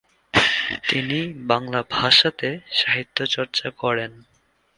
তিনি বাংলা ভাষাতে সাহিত্যচর্চা করেন।